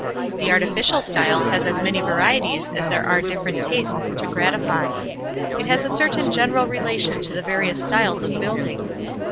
The artificial style has as many varieties as there are different tastes to gratify. It has a certain general relation to the various styles of building.